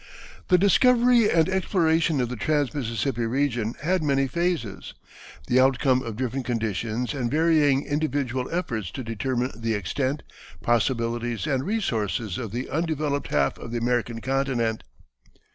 The discovery and exploration of the trans Mississippi region had many phases, the outcome of different conditions and varying individual efforts to determine the extent, possibilities, and resources of the undeveloped half of the American continent.